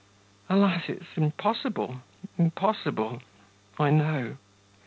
Alas! it's impossible, impossible, I know....